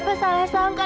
bapak salah sangka